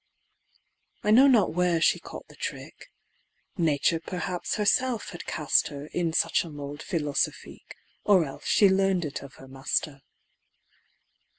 I know not where she caught the trick Nature perhaps herself had cast her In such a mould philosophique, Or else she learn'd it of her master.